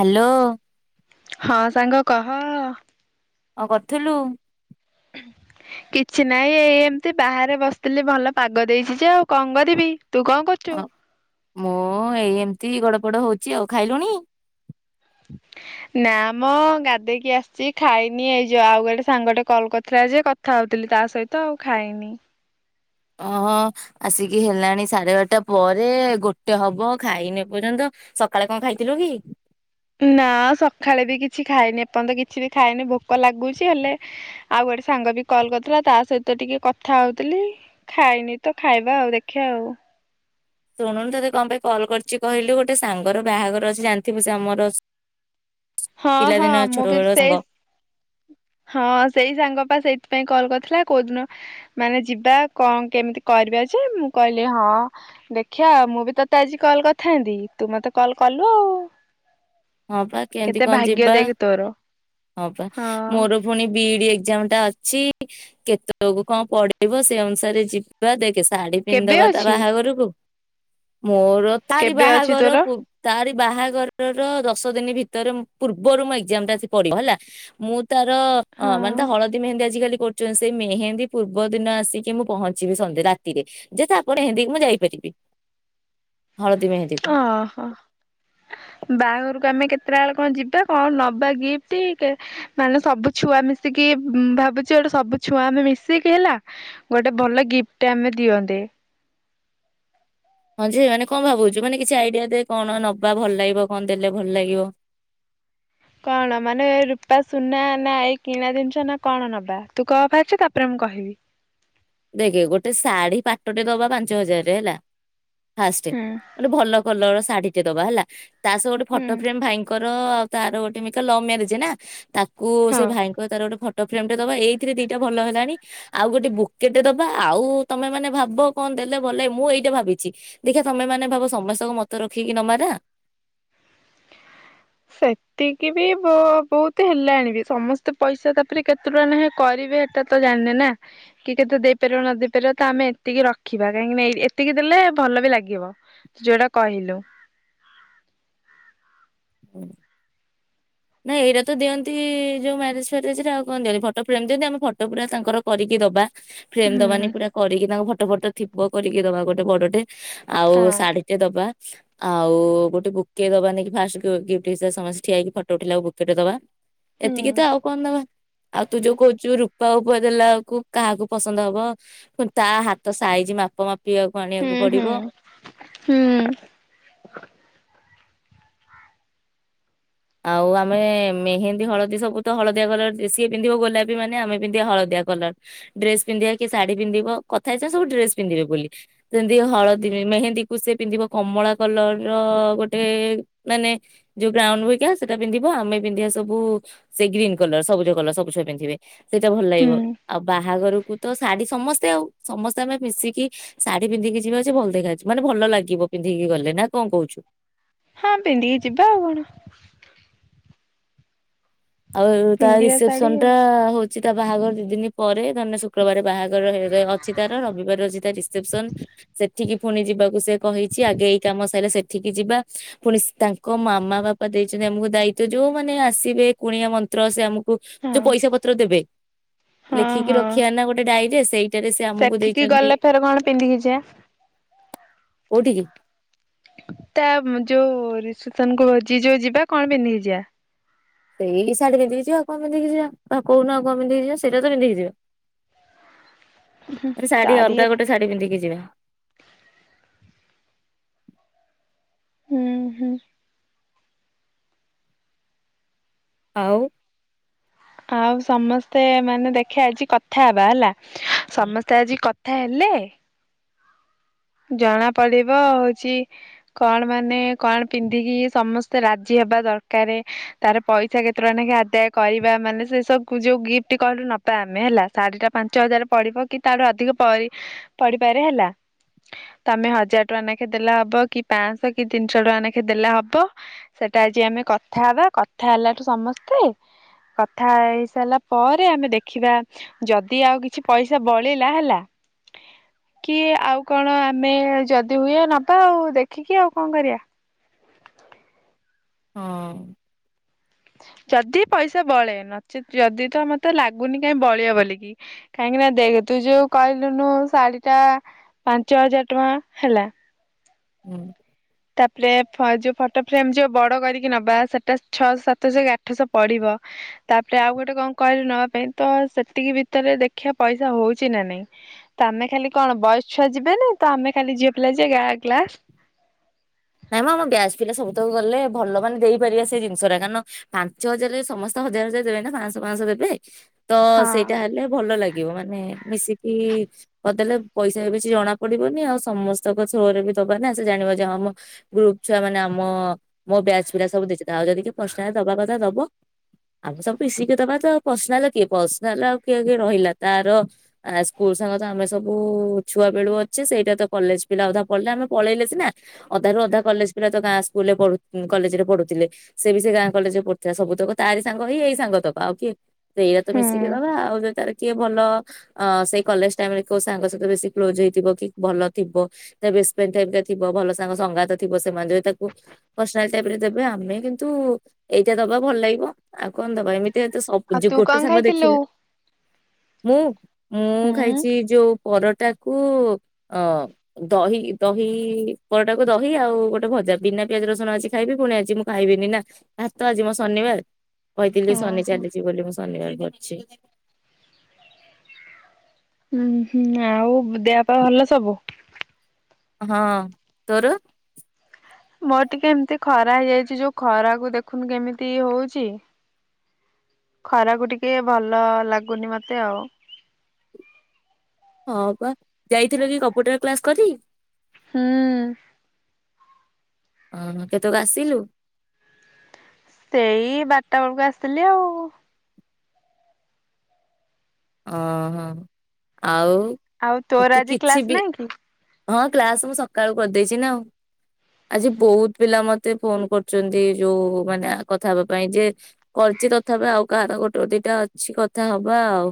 Hello. ହଁ ସାଙ୍ଗ କହ-ହ-ହ। ଆଉ କରିୁଥିଲୁ। କିଛି ନାହିଁ ଏଇ ଏମତି ବାହାରେ ବସିଥିଲି ଭଲ ପାଗ ଦେଇଛି ଯେ ଆଉ କଣ କରିବି ତୁ କଣ କରୁଛୁ? ହ ମୁଁ ଏଇଏମ ତି ଗଡ ପଡ ହଉଛି ଆଉ ଖାଇଲୁଣି। ନା ମଁ ଗାଧେଇକି ଆସିଛି ଖାଇନି ଏଇ ଯାଉ ଆଉ ଗୋଟେ ସାଙ୍ଗଟେ କଲ କରିଥିଲା ଯେ କଥା ହଉଥିଲି ତା ସହିତ ଆଉ ଖାଇନି। ଓହୋ ଆସିକି ହେଲାଣି ସାଢେ ବାରଟା ପରେ ଗୋଟେ ହବ ଖାଇନି ଏ ପର୍ଯ୍ୟନ୍ତ ସକାଳେ କଣ ଖାଇଥିଲୁ କି। ନା ସକାଳେ ବି କିଛି ଖାଇନି ଏପର୍ଯ୍ୟନ୍ତ କିଛି ବି ଖାଇନି ଭୋକ ଲାଗୁଛି ହେଲେ ଆଉ ଗୋଟେ ସାଙ୍ଗ ବି କଲ କରିୁଥିଲା ତା ସହିତ ଟିକେ କଥା ହଉଥିଲି ଖାଇନି ତ ଖାଇବା ଆଉ ଦେଖିବା ଆଉ। ଶୁଣୁନୁ ତୋତେ କଣ ପାଇଁ କଲ୍ କରିଛି କହିଲୁ ଗୋଟେ ସାଙ୍ଗର ବାହାଘର ଅଛି ଜାଣିଥିବୁ ସେ ଆମର ଅ ହଁ ହଁ ମୁଁ ବି ସେଇ। ହଁ ସେଇ ସାଙ୍ଗ ପା ସେଇଥିପାଇଁ କଲ କରିଥିଲା କୋଉ ଦିନ ମାନେ ଯିବା କଣ କେମିତି କରିବା ଯେ ମୁଁ କହିଲି ହଁ ଦେଖିବା ମୁଁ ବି ତତେ ଆଜି କଲ କରିଥାନ୍ତି ତୁ ମତେ କଲ କଲୁ ଆଉ। ହଁ ବା କେମିତି କେତେ କଣ ଭାଗ୍ୟ ଯିବା ଦେଖ ତୋର ହଁ ବା। ମୋର ପୁଣି ବିଇଡି ଏକ୍ଜାମ ଟା ଅଛି। ଛି କେତକୁ କଣ ପଡିବ ସେ ଅନୁସାରେ ଯିବା ଦେଖେ। ଶାଢୀ କେବେ ପିନ୍ଧଦବା ତା ଅଛି ବାହାଘରକୁ। ମୋର ତାରି କେବେ ଅଛି ବାହାଘର ତୋର ପୂ ତାରି। ବାହାଘରର ର ଦଶ ଦିନ ଭିତରେ ପୂର୍ବରୁ ମ ଏକ୍ଜାମ ଆସି ପଡିବ ହେଲା ମୁଁ। ତାର ଅ ହଁ ମାନେ ତା ହଳଦୀ ମେହେନ୍ଦି ଆଜି। ଆଜିକାଲି କରୁଛନ୍ତି ସେ ମେହେନ୍ଦୀ ପୂର୍ବ ଦିନ ଆସିକି ମୁଁ ପହଞ୍ଚିବି ସନ୍ଧ୍ୟା ରାତିରେ ଯେ ତାପରେ ମେହେନ୍ଦିକି ମୁଁ ଯାଇପାରିବି। ହଳଦୀ ମେହେନ୍ଦୀ କୁ। ଓହୋ ବାହାଘରକୁ। ଆମେ କେତେଟା ବେଳ କଣ ଯିବା କଣ ନବା ଗିଫ୍ଟ ମାନେ ସବୁ ଛୁଆ ମିଶିକି ଭାବୁଛି ଗୋଟେ ସବୁ ଛୁଆ ଆମେ ମିଶିକି ହେଲା ଗୋଟେ ଭଲ ଗିଫ୍ଟ ଆମେ ଦିଅନ୍ତେ। ହଁ ଯେ ମାନେ କଣ ଭାବୁଛୁ ମାନେ କିଛି ଆଇଡିଆ ଦେ କଣ ନବା ଭଲ ଲାଗିବ କଣ ଦେଲେ ଭଲ ଲାଗିବ। କଣ ମାନେ ରୂପା ସୁନା ନା ଏଇ କିଣା ଜିନିଷ ନା କଣ ନବା ତୁ କ ଫାଷ୍ଟ ତାପରେ ମୁଁ କହିବି। ଦେଖେ ଗୋଟେ ଶାଢୀ ପାଟଟେ ଦବା ପାଞ୍ଚ ହଜାରରେ ହେଲା। ଫାଷ୍ଟେ ହୁଁ। ଗୋଟେ ଭଲ କଲର ଶା ଶାଢୀ ଟେ ଦବା ହେଲା। ତା ସହ ଗୋଟେ ହୁଁ ଫଟୋ ଫ୍ରେମ ଭାଇଙ୍କର ଆଉ ତା ତାର ଗୋଟେବି ତ ଲଭ ମ୍ୟାରେଜ ନା ତା କୁ ହଁ। ସେ ଭାଇଙ୍କ ତାର ଗୋଟେ ଫଟ ଫ୍ରେମ୍ ଟେ ଦବା ଏଇଥିରେ ଦିଟା ଭଲ ହେଲାଣି ଆଉ ଗୋଟେ ବୁକ କେତେ ଦବା ଆଉ ତମେ ମାନେ ଭାବ କଣ ଦେଲେ ଭଲ ମୁଁ ଏଇଟା ଭାବିଛି ଦେଖ ତମେ ମାନେ ଭାବ ସମସ୍ତଙ୍କୁ ମତ ରଖିକି ନମା ନା ସେତିକି ବି ବହୁତ ହେଲାଣି ବି ସମସ୍ତେ ପଇସା ତାପରେ କେତେ ଟଙ୍କା ନେଖା କରିବେ ସେଟା ତ ଜାଣିନେ ନା କି କେତେ ଦେଇପାରିବ ନ ଦେଇେଇ ପାରିବ ତ ଆମେ ଏତିକି ରଖିବା କାହିଁକି ନା ଏତିକି ଦେଲେ ଭଲ ବି ଲାଗିବ ଯୋଉଟା କହିଲୁ। ହୁଁ ନାଇ ଏଇଟା ତ ଦିଅନ୍ତି ଯୋଉ ମ୍ୟାରେଜ ଫ୍ୟାରେଜ ଆଉ କଣ ଦିଅନ୍ତି ଫଟୋ ଫ୍ରେମ ଦିଅନ୍ତି ଆମ ଫଟୋ ପୁରା ତାଙ୍କର କରିକି ଦବା। ଫ୍ରେମ ଦବାନି ହୁଁ ପୁରା କରିକି ତାଙ୍କୁ ଭ ଫଟ ଫଟ ଥିବ କରିକି ଦବା ଗୋଟେ ବଡଟେ ଆଉ ହଁ ଶାଢୀ ଟେ ଦବା। ଆଉ ଗୋଟେ ବୁକେ ଦବା ନ ଫାଷ୍ଟ ଗି୍ଫ୍ଟ ହିସାବରେ ସମସ୍ତେ ଠିଆ ହେଇକି ଫଟ ଓଠିଲା ଆଉ ବୁଟ ଟେ ଦବା। ହୁଁ। ଏତିକି ତ ଆଉ କଣ ଦବା ଆଉ ତୁ ଯୋଉ କହୁଛୁ ର ବାପା ଉପ ଦେଲା କୁ କାହାକୁ ପସନ୍ଦ ହବ ତା ହାତ ସାଇଛି ମାପ ମାପ। ହୁଁ ହୁଁ ହୁଁ। ଆଉ ଆମେ ମେହେନ୍ଦୀ ହଳଦୀ ସବୁ ତ ହଳଦିଆ କଲର ଯେ ସିଏ ପିନ୍ଧିବ ଗୋଲାପୀ ମାନେ ଆମେ ପିନ୍ଧିବା ହଳଦିଆ କଲର ଡ୍ରେସ ପିନ୍ଧିବା କି ଶାଢୀ ପିନ୍ଧିବ କଥା ହେଇଛ ସବୁ ଡ୍ରେସ ପିନ୍ଧିବେ ବୋଲି ସେମିତି ହଳଦୀ ମେହେନ୍ଦୀ କୁ ସେ ପିନ୍ଧିବ କମଳା କଲର ର ଗୋଟେ ମାନେ ଯୋଉ ବ୍ରାଉନୁ। ସେଟା ପିନ୍ଧିବ ଆମେ ପିନ୍ଧିବା ସବୁ ସେ ଗ୍ରୀନ କଲର ସବୁଜ କଲର ସବୁ ଛୁଆ ପିନ୍ଧିବେ। ସେଇଟା ଭଲ ଲାଗିବ ହୁଁ। ଆଉ ବାହାଘରକୁ ତ ଶାଢୀ ସମସ୍ତେ। ଆଉ ସମସ୍ତେ ଆମେ ମିଶିକି ଶାଢୀ ପିନ୍ଧିକି ଯିବା ଯେ ଭଲ ଦେଖାଯ ଯାଉଛୁ ମାନେ ଭଲ ଲାଗିବ ପିନ୍ଧିକି ଗଲେ ନା କଣ କହୁଛୁ। ହଁ ପିନ୍ଧିକୀ ଯିବା ଆଉ କଣ? ଆଉ ତା ପିନ୍ଧିବା ଶାଢୀ ରିସେପସନ ଟା ଆଉ ହଉ। ଅଛି ତା ବାହାଘର ଦି ଦିନ ପରେ ତାହେଲେ ଶୁକ୍ରବାର ବାହାଘର। ଅଛି ତାର ରବିବାର ଅଛି ତା ରିସେପ୍ସନ। ସେଠିକି ପୁଣି ଯିବାକୁ ସେ କହିଛି ଆଗେ ଏଇ କାମ ସାରିଲା ସେଠିକି ଯିବା ପୁଣି ତାଙ୍କ ମାମା ବାପା ଦେଇଛନ୍ତି ଆମକୁ ଦାୟିତ୍ୱ ଯୋଉମାନେ ଆସିବେ। କୁଣିଆ ମନ୍ତ୍ର ସେ ଆମ। ହଁ ଯୋଉ ପଇସା ପତ୍ର ଦେବେ। ହଁ ଲେଖିକି ହଁ। ରଖିବା ନା ଗୋଟେ ଡାଇରରିରେ। ସେଠିକି ଗଲେ ଫେରେ କଣ ପିନ୍ଧିକି ଯିବା। କଉଠିକି। ତା ଯୋଉ ରିସେପସନ୍ କୁ ଭୋଜି ଯୋଉ ଯିବା କଣ ପିନ୍ଧିକି ଯିବା। ସେଇ ଶାଢୀ ପିନ୍ଧିକି ଯିବା ଆଉ କଣ ପିନ୍ଧିକି ଯିବା କହା କହୁନ ଆଉ କଣ ପିନ୍ଧିକି ଯିବା ସେଇଟା ତ ପିନ୍ଧିକି ଯିବା। ଶାଢୀ ଶାଢ଼ୀ ଅଲଗା ଗୋଟେ ଶାଢୀ ପିନ୍ଧିକି ଯିବା। ହୁଁ ହୁଁ। ଆଉ। ଆଉ ସମସ୍ତେ ମାନେ ଦେଖେ ଆଜି କଥା ହେବା ହେଲା। ହଁ ସମସ୍ତେ ଆଜି କ ହେଲେ। ଜଣା ପଡିବ ହଉଛି କଣ ମାନେ କଣ ପିନ୍ଧିକି ସମସ୍ତେ ରାଜି ହେବା ଦରକାରେ ତାର ପଇସା କେତେ ଟା ନେ କି ଆଦାୟ କରିବା ମାନେ ସେ ସବୁ ଯୋଉ ଗିଫ୍ଟ କହିଲୁ ନବା ଆମେ ହେଲା ଶାଢୀ ଟା ପାଞ୍ଚ ହଜାର ପଡିବ କି ତାଠୁ ଅଧିକ ପଡ଼ି ପଡିପାରେ ହେଲା। ତମେ ହଜାର ଟଙ୍କା ନେଖେ ଦେଲା ହବ କି ପାଞ୍ଚଶହ କି ତିନିଶହ ଟଙ୍କା ନେଖେ ଦେଲା ହବ ସେଟା ଆଜି ଆମେ କଥା ହେବା କଥା ହେଲାଠୁ ସମସ୍ତେ କଥା ହେଇସାରିଲା ପରେ ଆମେ ଦେଖିବା ଯଦି ଆଉ କିଛି ପଇସା ବଳିଲା ହେଲା କି ଆଉ। କଣ ଆମେ ଯଦି ହୁଏ ନବା ଆଉ ଦେଖିକି ଆଉ କଣ କରିବା। ହଁ। ଯଦି ପଇସା ବଳେ ନଚେତ୍ ଯଦି ତ ମତେ ଲାଗୁନି କାହିଁ ବଳିବ ବୋଲିକି କାହିଁକିନା ଦେଖ ତୁ ଯୋଉ କହିଲୁନୁ ଶାଢୀ ଟା ପାଞ୍ଚ ହଜାର ଟଙ୍କା ହେଲା। ହୁଁ। ତାପରେ ଯୋଉ ଫଟୋ ଫ୍ରେମ ଯୋଉ ବଡ କରିକି ନବା ସେଟା ଛଅ ସାତଶହ କି ଆଠଶହ ପଡିବ ତାପରେ ଆଉ ଗୋଟେ କଣ କରିବ ନବା ପାଇଁ ତ ସେତିକି ଭିତରେ ଦେଖିବା ପଇସା ହଉଛି ନା ନାଇଁ ତ ଆମେ ଖାଲି କଣ ବୟସ ଛୁଆ ଯିବେନ ତ ଆମେ ଖାଲି ଝିଅ ପିଲା ଯ ଗ୍ଲାସ। ନାଇଁ ମ ଆମ ବ୍ୟାଜ ପିଲା ସବୁ ତକୁ ଗଲେ ଭଲ ମାନେ ଦେଇପାରିବା ସେଇ ଜିନିଷ ଟା କାରଣ ପାଞ୍ଚ ହଜାର ସମସ୍ତେ ହଜାର ହଜାର ଦେବେ ନା ପାଞ୍ଚଶହ ପାଞ୍ଚଶହ ଦେବେ। ତ ହଁ ସେଇଟା ହେଲେ ଭଲ ଲାଗିବ ମାନେ। ମିଶିକି କରିଦେଲେ ପଇସା ବି କିଛିଜଣା ପଡିବନି ଆଉ ସମସ୍ତଙ୍କ ଥ୍ରୋ ରେବି ଦବାନା ସେ ଜାଣିବକି ହିଁ ମ। ଗ୍ରୁପ ଛୁଆ ମାନେ ଆମ ମୋ ବ୍ୟାଚ ପିଲା ସବୁ ଦେଇଉ ଯଦି ପନା ଦବା କଥା ଦବା ଆମେ ସବୁ ମିଶିକି ଦବା ତ ପର୍ସନାଲ କି ପର୍ସନାଲ ଆଉ କିଏ କିଏ ରହିଲା ତାର ସ୍କୁଲ ସାଙ୍ଗ ତ ଆମେ ସବୁ ଛୁଆ ବେଳୁ ଅଛେ ସେଇଟା ତ କଲେଜ ପିଲା ଅଧା ପଢିଲେ ଆମେ ପଳେଇଲେ ସିନା। ଅଧାରୁୁ ଅଧା କଲେଜ ପିଲା ତ ଗାଁ ସ୍କୁଲରେ କଲେଜ ରେ ପଢୁଥିଲେ ସେ ବି ସେ ଗାଁ କଲେଜ ରେ ପଢୁଥିଲା ସବୁ ତକ ତାରି ସାଙ୍ଗ ହେଇ ଏଇ ସାଙ୍ଗ ତକ ଆଉ କିଏ। ସେଇଟା ତ ହୁଁ ମିଶିକି ଦବା ଆଉ ଯଦି ତାର କିଏ। ଭଲ ସେଇ କଲେଜ ଟାଇମ ରେ କୋଉ ସାଙ୍ଗ ସହିତ ବେଶି କ୍ଲୋଜ ହେଇଥିବ କି ଭଲ ଥିବ ତେବେ ରେସ୍ପେକ୍ଟ ଥିବ ଭଲ। ତାଙ୍କ ସଙ୍ଗାତ ଥିବ ସେମାନେ ଯଦି ତାକୁ ପର୍ସନାଲ ଟାଇପ୍ ରେ ଦେବେ ଆମେ କିନ୍ତୁ ଏଇଟା ଦବା ଭଲ ଲାଗିବ ଆଉ କଣ ଦବା ଏମିତି। ଯେହେତୁ ସବୁ ଆଉ ଯେ ତୁ ଗୋଟେ କଣ ସାଙ୍ଗ ଖାଇଥିଲୁ? ଦେଖିବେ। ମୁଁ। ମୁଁ ଉଁ ହୁଁ ଖାଇଛି ଯୋଉ। ପରଟାକୁ ଅ ଦହି ଦହିଇ। ପରଟାକୁ ଦହି ଆଉ ଗୋଟେ ଭଜା ବିନା ପିଆଜ ରସୁଣ ଆଜି ଖାଇବି ପୁଣି ଆଜି ମୁଁ ଖାଇବିନି ନା ଭାତ ଆଜି ମୋ ଶନିବାର। କହିଥିଲି ଶନି ଓହୋ ଚାଲିଚି ବୋଲି ମୁ। ଶନିବାର ବି ଅଛି। ହୁଁ ହୁଁ ଆଉ ଦେହ ପାହା ଭଲ ସବୁ। ହଁଅ ତୋର। ମୋର ଟିକେ ଏମିତି ଖରା ହେଇଯାଇଛି ଯୋଉ ଖରାକୁ ଦେଖୁନୁ କେମିତି ହୋଉଛି ଖରାକୁ ଟିକେ ଭଲ ଲାଗୁନି ମତେ ଆଉ। ହଁ ବା ଯାଇଥିଲେ କି କମ୍ପ୍ୟୁଟର କ୍ଲାସ କରି। ହୁଁଉଁ ଅହଁ କେତକ ଆସିଲୁ। ସେଇ ବାରଟା ବେଳକୁ ଆସଥିଲି ଆଉ। ଓ ହ ଆଉ। ଆଉ ତୁ ତୋର ଆଜି କିଛି ବି କ୍ଲାସ ନାହିଁକି। ହଁ କ୍ଲାସ ମୁଁ ସକାଳୁ କରିଦେଇଛି ନା ଆଉ ଆଜି ବହୁତ ପିଲା ମତେ ଫୋନ କରୁଛନ୍ତି ଯୋଉ ମାନେ କଥା ହବା ପାଇଁ ଯେ କରିଛି ତଥାପି ଆଉ କାହାର ଗୋଟେ ଦିଟା ଅଛି କଥା ହବା ଆଉ।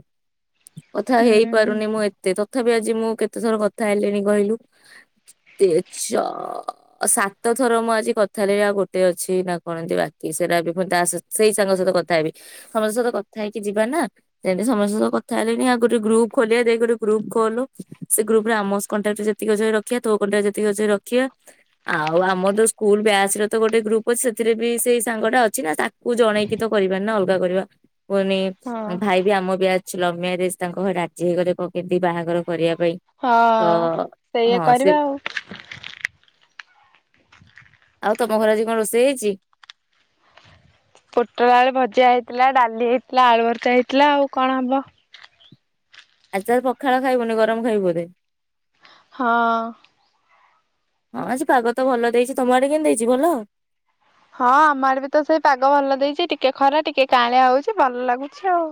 କଥା ହୁଁ ହୁଁ। ହେଇପାରୁନି ମୁ ଏତେ ତ ତଥାପି ଆଜି ମୁଁ କେତେ ଥର କଥା ହେଲିଣି କହିଲୁ ତି ଛ ସାତ ଥର ମୁଁ ଆଜି କଥା ହେଲିବି ଆଉ ଗୋଟେ ଅଛି ନା କଣ ଏନ୍ତି ବାକି ସେଟା ଏବେ ପୁଣି ତା ସେଇ ସାଙ୍ଗ ସହିତ କଥା ହେବି ସମସ୍ତଙ୍କ ସହିତ କଥା ହେଇକି ଯିବା ନା ଯେନ୍ତି ସମସ୍ତଙ୍କ ସହ। କଥା ହେଲେଣି ଆଉ ଗୋଟେ ଗ୍ରୁପ ଖୋଲିବା ଦେଇ ଗୋଟେ ଗ୍ରୁପ ଖୋଲୋ ସେ ଗ୍ରୁପରେ ଆମସ୍ କଣ୍ଟାକ୍ଟ ରେ ଯେତିକି ଅଛି ରଖିବା ତୋ କଣ୍ଟାକ୍ଟ ଯେତିକି ଅଛି ରଖିବା ଆଉ ଆମର ତ ସ୍କୁଲ ବ୍ୟାଚ ର ତ ଗୋଟେ ଗ୍ରୁପ ଅଛି ସେଥିରେ ବି ସେଇ ସାଙ୍ଗ ଟା ଅଛି ନା ତାକୁ ଜଣେଇକି ତ କରିବା ନା ଅଲଗା କରିବା। କୁନି ହଁ ଭାଇ ବି ଆମ ବ୍ୟାଚ। ସମୟରେ ତାଙ୍କ ଘରେ ରାଜି ହେଇଗଲେ କହ କେମତି ବାହାଘର କରିବା। ପାଇଁ। ହଁ ତ ସେଇୟା ହଁ ସେ କରିବା ଆଉ। ଆଉ ତମ ଘରେ ଆଜି କଣ ରୋଷେଇ ହେଇଚି। ପୋଟଳ ଆଳୁ ଭଜା ହେଇଥିଲା ଡାଲି ହେଇଥିଲା ଆଳୁଭର୍ତା ହେଇଥିଲା ଆଉ କଣ ହବ। ଆଚାର ପଖାଳ ଖାଇବୁନି ଗରମ ଖାଇବୁ ବଧେ। ହଁ ହଁ ସେ ପାଗ ତ ଭଲ ଦେଇଛି ତମ ଆଡେ କେମିତି ଦେଇଚି ଭଲ? ହଁ ଆମ ଆଡେ ବି ତ ସେଇ ପାଗ ଭଲ ଦେଇଛି ଟିକେ ଖରା ଟିକେ କଆଁଳିଆ ହଉଛି ଭଲ ଲାଗୁଛି ଆଉ।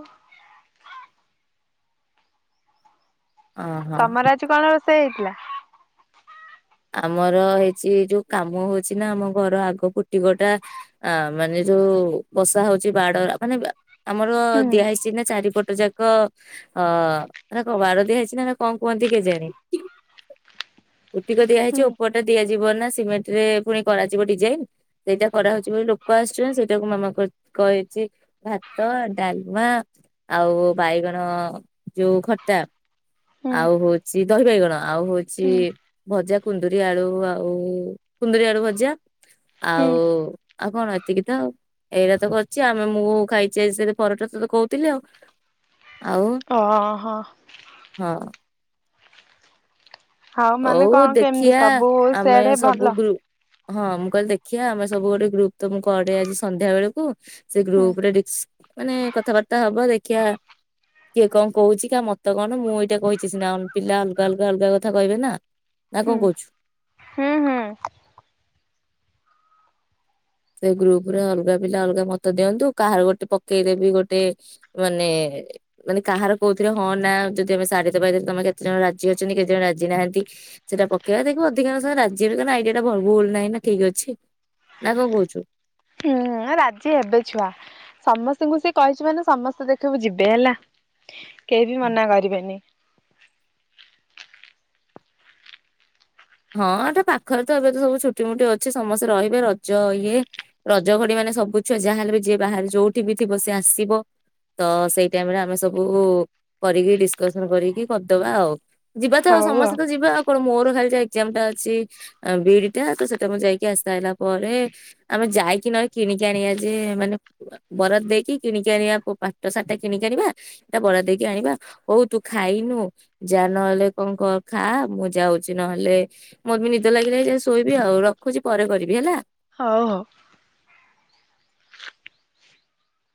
ଅହଁ। ତମର ଆଜି କଣ ରୋଷେ ସେ ହେଇଥିଲା। ଆମର ହେଇଛି ଯୋଉ କାମ ହଉଛି ନା ଆମ ଘର ଆଗ ପୁଟିକଟା ଆ ମାନେ ଯୋଉ ବସା ହଉଛି ବାଡ ମାନେ ଆମର ହୁଁ ଦିଆହଇସିନା ଚାରିପଟ ଯାକ ହଁ ହେରା କଣ ବାଡ଼ ଦିଆ ହେଇଛି ନା ନା କଣ କୁହନ୍ତି କେଜାଣି ଟିକେ ହୁଁ ଦିଆହେଇଛି ଉପର ଟା ଦିଆ ଯିବ ନା ସିମେଣ୍ଟ ରେ ପୁଣି କରାଯିବ ଡିଜାଇନ, ସେଇଟା କରାହଉଛି ବୋଲି ଲୋକ ଆସୁଛନ୍ତି ।ସେଇଟାକୁ ମାମା କହିଛି ଭାତ ଡାଲମା ଆଉ ବାଇଗଣ ଯୋଉ ଖଟା ହୁଁ ଆଉ ହଉଚି ଦହି ବାଇଗଣ ଆଉ ହଉଚି। ହୁଁ ଭଜା କୁନ୍ଦୁରି ଆଳୁ ଆଉ କୁନ୍ଦୁରି ଆଳୁ ଭଜା ହୁଁ ଆଉ ଆଉ କଣ ଏତିକିତ ଆଉ ଏଇଟା ତ ଅଛି ଆମେ ମୁଁ ଖାଇଛି ପରଟା ତ କହୁଥିଲି ଆଉ। ଆଉ ଓ ହୋ। ହଁ ହଉ ମାନେ କଣ କେମିତି ସବୁ ଆମେ ସେଆଡେ ସବୁ ଭଲ? ଗ୍ରୁ ହଁ ମୁଁ କହିଲି ଦେଖିବା ଆମେ ସବୁ ଗୋଟେ ଗ୍ରୁପ ତ ମୁଁ କରେ ଆଜି ସନ୍ଧ୍ୟା ବେଳକୁ ସେ ହୁଁ ଗ୍ରୁପ ରେ ଡିକ୍ସ ମାନେ କଥାବାର୍ତ୍ତା ହବା ଦେଖିବା କିଏ କଣ କହୁଛି କାହା ମତ କଣ ମୁଁ ଏଇଟା କହିଛି ସିନା ପିଲା ଅଲଗା ଅଲଗା ଅଲଗା କଥା। କହିବେ ନା ନା ହୁଁ କଣ କହୁଚୁ? ହୁଁ ହୁଁ ସେ ଗ୍ରୁପରେ ଅଲଗା ପିଲା ଅଲଗା ମତ ଦିଅନ୍ତୁ କାହାର ଗୋଟେ ପକେଇଦେବି ଗୋଟେ ମାନେ ମାନେ କାହାର କୋଉଥିରେ ହଁ ନା ଯଦି ଆମେ ଶାଢୀ ତ ପାଇଦ ତମେ କେତେ ଜଣ ରାଜି ଅଛନ୍ତି କେତେ ଜଣ ରାଜି ନାହାନ୍ତି ସେଟା ପକେଇବା ଦେଖିବ ଅଧିକାଂଶ ରାଜି ହେବେ କାରଣ ଆଇଡିଆ ଟା ଭଲ ଭୁଲ ନାହିଁ ନା ଠିକ ଅଛି। ନା କଣ କହୁଛୁ? ହଁ ରାଜି ହେବେ ଛୁଆ ସମସ୍ତଙ୍କୁ ସେ କହିଛି ମାନେ ସମସ୍ତେ ଦେଖିବୁ ଯିବେ ହେଲା। କେହି ବି ମନା କରିବେନି। ହଁ ଏଟା ପାଖରେ ତ ଏବେ ତ ସବୁ ଛୁଟିମୁଟି ଅଛି ସମସ୍ତେ ରହିବେ ରଜ ଇଏ ରଜ ଘଡି ମାନେ ସବୁ ଛୁଆ ଯାହାହେଲେ ବି ଯିଏ ବାହାରେ ଯୋଉଠି ବି ଥିବ ସେ ଆସିବ ତ ସେଇ ଟାଇମ ରେ ଆମେ ସବୁ କରିକି ଡିସକସନ କରିକି କରିଦବା ଆଉ। ଯିବା ତ ଆଉ ସମସ୍ତେ ତ ଯିବା ଆଉ। କଣ ମୋର ଖାଲି ଯାଇ। ଯେମ ଟା ଅଛି ବି ଇ ଡି ଟା ସେଟା ମୁଁ ଯାଇକି ଆସିଲା ପରେ ଆମେ ଯାଇକି ନହେଲେ କିଣିକି ଆଣିବା ଯେ ମାନେ ବରାଦ ଦେଇକି କିଣିକି ଆଣିବା ପାଟ ସାରୀ ଟା କିଣିକି ଆଣିବା ସେଇଟା ବରାଦ ଦେଇକି ଆଣିବା ହଉ ତୁ ଖାଇନୁ ଯା ନହେଲେ କଣ କ ଖା ମୁଁ ଯାଉଛି ନହେଲେ। ମୋତେ ବି ନିଦ ଲାଗିଲାଣି ଶୋଇବି ଆଉ ରଖୁଛି ପରେ କରିବି ହେଲା। ହଉ ହଉ।